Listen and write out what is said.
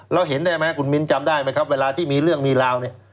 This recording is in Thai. เห็นได้ไหมคุณมิ้นจำได้ไหมครับเวลาที่มีเรื่องมีราวเนี่ย